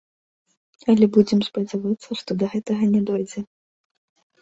Але будзем спадзявацца, што да гэтага не дойдзе.